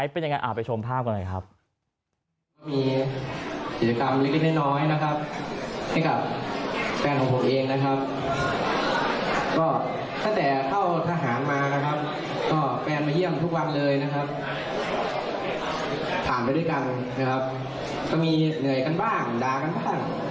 ผ่านไปด้วยกันนะครับก็มีเหนื่อยกันบ้างดากันบ้าง